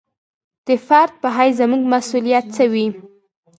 د فرد په حیث زموږ مسوولیت څه وي.